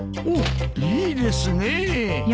おっいいですねえ。